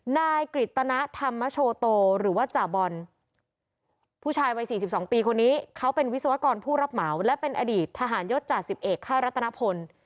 นายกฤตนธรรมโชโตหรือว่าจ่าบอลผู้ชายวัย๔๒ปีคนนี้เขาเป็นวิศวกรผู้รับเหมาและเป็นอดีตทหารยศจ่าสิบเอกค่ายรัตนพล